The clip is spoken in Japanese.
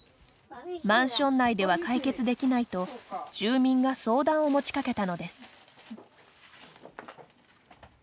マンション内では解決できないと住民が相談を持ちかけたのです。